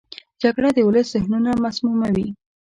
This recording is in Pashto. جګړه د ولس ذهنونه مسموموي